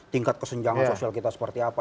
tingkat kesenjangan sosial kita seperti apa